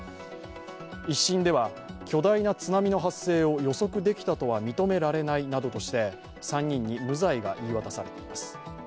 １審では巨大な津波の発生を予測できたとは認められないなどとして３人に無罪が言い渡されています。